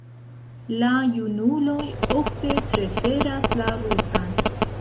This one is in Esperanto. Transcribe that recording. La junuloj ofte preferas la rusan.